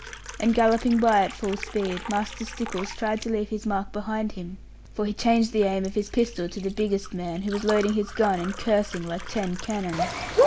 And galloping by at full speed, Master Stickles tried to leave his mark behind him, for he changed the aim of his pistol to the biggest man, who was loading his gun and cursing like ten cannons.